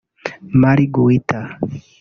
Marguita